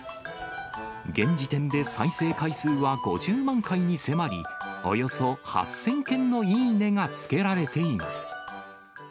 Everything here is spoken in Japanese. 現時点で再生回数は５０万回に迫り、およそ８０００件のいいねがつけられています。